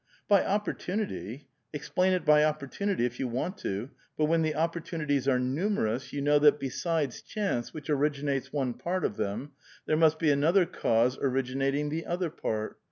" By opportunity? Explain it by opportunity if you want to ; but when the opportunities are numerous, you know that besides chance which originates one part of them, there must be another cause originating the other part.